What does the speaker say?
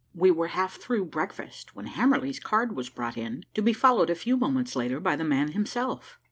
We were half through breakfast when Hamerly's card was brought in, to be followed a few moments later by the man himself.